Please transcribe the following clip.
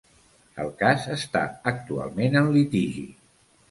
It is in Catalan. El cas està actualment en litigi.